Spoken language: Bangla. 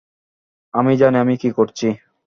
আমি জানি আমি কী করছি।